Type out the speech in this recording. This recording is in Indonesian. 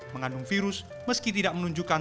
mengandung virus meski tidak menunjukkan